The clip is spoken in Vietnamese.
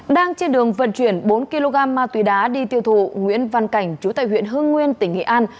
đang trên đường vận chuyển bốn kg ma túy đá đi tiêu thụ nguyễn văn cảnh chú tại huyện hưng nguyên tỉnh nghệ an